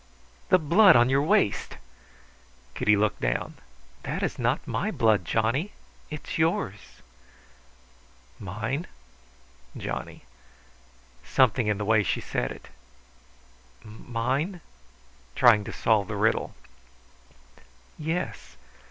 "The blood on your waist!" Kitty looked down. "That is not my blood, Johnny. It is yours." "Mine?" Johnny. Something in the way she said it. "Mine?" trying to solve the riddle. "Yes.